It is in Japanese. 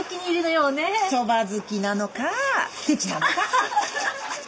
そば好きなのかけちなのか。